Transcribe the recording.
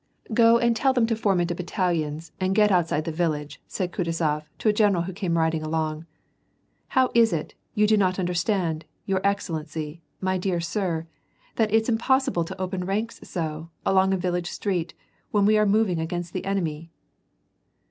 " Go and tell them to form into battalions and get outside WAR AND PEACE. 885 the irillage," said Kutuzof to a general who came ridiDg along. *'How is it, you do not understand, your excellency, my dear sir/ that it's impossible to open i*anks so, along a village street, when we are moving against the enemy."